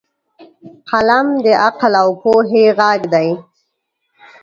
قلم د عقل او پوهې غږ دی